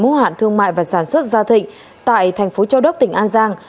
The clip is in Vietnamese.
hóa hạn thương mại và sản xuất gia thịnh tại tp châu đốc tỉnh an giang